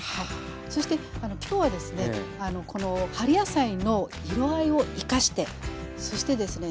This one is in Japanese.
そして今日はですねこの春野菜の色合いを生かしてそしてですね